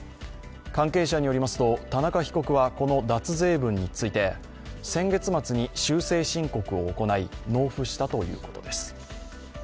関係者によりますと、田中被告はこの脱税分について先月末に修正申告を行い納付したということです。